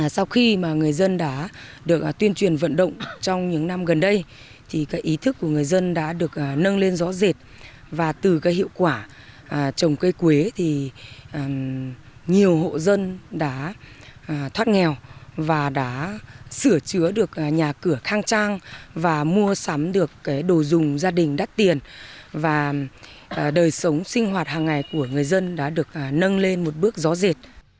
sau khi mà người dân đã được tuyên truyền vận động trong những năm gần đây thì cái ý thức của người dân đã được nâng lên rõ rệt và từ cái hiệu quả trồng cây quế thì nhiều hộ dân đã thoát nghèo và đã sửa chứa được nhà cửa khang trang và mua sắm được cái đồ dùng gia đình đắt tiền và đời sống sinh hoạt hàng ngày của người dân đã được nâng lên một bước rõ rệt